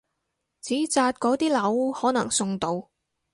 紙紮嗰啲樓可能送到！